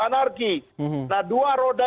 anarki nah dua roda